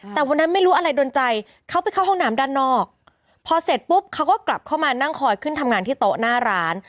แต่วันนั้นไม่รู้อะไรโดนใจเขาไปเข้าห้องน้ำด้านนอกพอเสร็จปุ๊บเขาก็กลับเข้ามานั่งคอยขึ้นทำงานที่โต๊ะหน้าร้าน